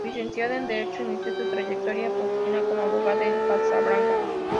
Licenciada en derecho, inició su trayectoria profesional como abogada en Casablanca.